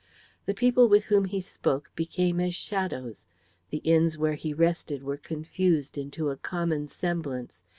The people with whom he spoke became as shadows; the inns where he rested were confused into a common semblance.